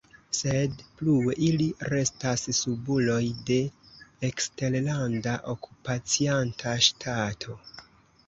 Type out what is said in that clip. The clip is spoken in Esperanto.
Sed plue ili restas subuloj de eksterlanda okupacianta ŝtato.